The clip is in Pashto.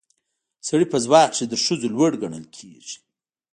سړي په ځواک کې تر ښځو لوړ ګڼل کیږي